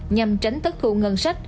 nhằm tránh tất thu ngân sách